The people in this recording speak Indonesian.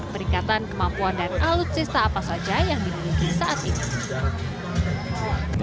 perikatan kemampuan dan alutsista apa saja yang dimiliki saat ini